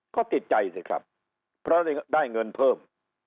ก็ติดใจสิครับเพราะได้เงินเพิ่ม